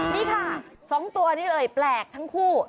นี่ค่ะ๒ตัวนี้เอ่ยแปลกทั้งคู่